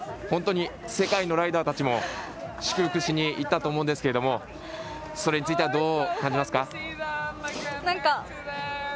本当に世界のライダーたちも祝福しにいったと思うんですがそれについてはどう感じますか？